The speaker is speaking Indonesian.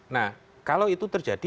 nah kalau itu terjadi